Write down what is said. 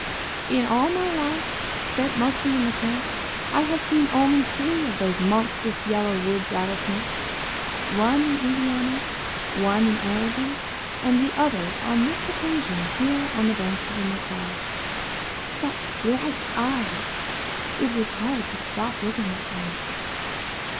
In all my life, spent mostly in the camp, I have seen only three of those monstrous yellow woods rattlesnakes; one in Indiana, one in Oregon and the other on this occasion here on the banks of the McCloud. Such bright eyes! It was hard to stop looking at them.